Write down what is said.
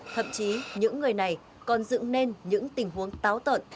thậm chí những người này còn dựng nên những tình huống táo tợn